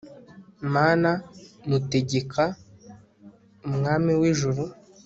mana mutegeka, mwami w'ijuru